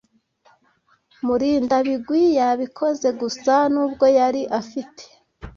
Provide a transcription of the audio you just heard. Murindabigwi yabikoze gusa nubwo yari afite.